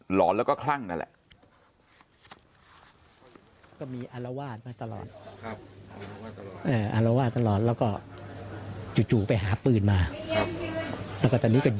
หอนแล้วก็คลั่งนั่นแหละ